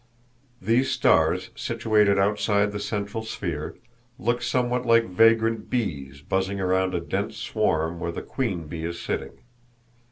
These stars, situated outside the central sphere, look somewhat like vagrant bees buzzing round a dense swarm where the queen bee is sitting.